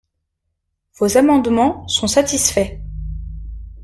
Vos amendements sont satisfaits.